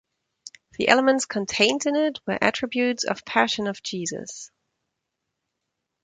The elements contained in it were attributes of Passion of Jesus.